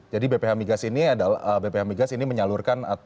jadi bph migas ini menyalurkan